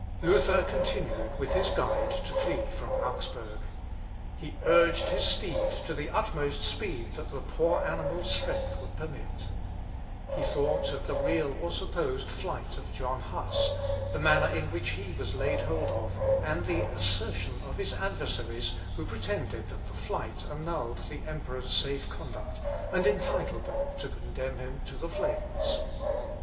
Luther continued with his guide to flee from Augsburg. He urged his steed to the utmost speed that the poor animal's strength would permit. He thought of the real or supposed flight of John Huss, the manner in which he was laid hold of, and the assertion of his adversaries, who pretended that the flight annulled the Emperor's safe conduct, and entitled them to condemn him to the flames.